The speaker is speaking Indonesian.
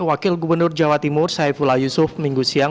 wakil gubernur jawa timur saifullah yusuf minggu siang